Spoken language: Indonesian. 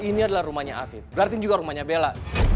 ini adalah rumahnya afif berarti ini juga rumahnya bella